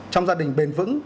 trong gia đình bền vững